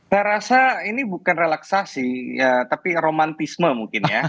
saya rasa ini bukan relaksasi ya tapi romantisme mungkin ya